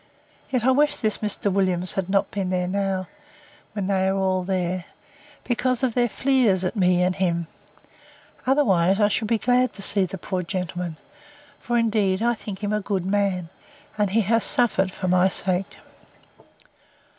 Yet I wish this Mr. Williams had not been there now, when they are all there; because of their fleers at him and me. Otherwise I should be glad to see the poor gentleman; for, indeed, I think him a good man, and he has suffered for my sake.